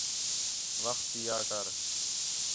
وخت تی آ کر